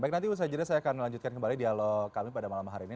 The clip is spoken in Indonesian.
baik nanti usaha jeda saya akan melanjutkan kembali dialog kami pada malam hari ini